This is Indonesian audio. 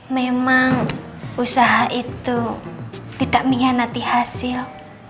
memang usaha itu tidak miyak nanti hasil